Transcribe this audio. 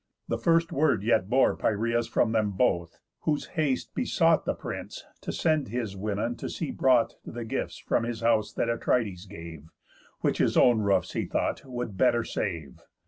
The first word yet bore Piræus from them both; whose haste besought The prince to send his women to see brought The gifts from his house that Atrides gave, Which his own roofs, he thought, would better save.